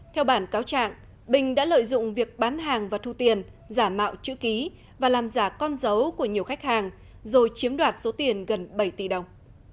theo bản cáo trạng bình đã lợi dụng việc bán hàng và thu tiền giả mạo chữ ký và làm giả con dấu của nhiều khách hàng rồi chiếm đoạt số tiền gần bảy tỷ đồng